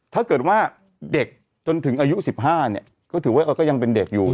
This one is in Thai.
ถ้าเกิดว่าเด็กจนถึงอายุ๑๕เนี่ยก็ถือว่าก็ยังเป็นเด็กอยู่